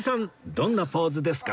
どんなポーズですか？